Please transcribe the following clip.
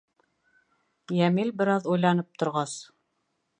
Йәмил бер аҙ уйланып торғас: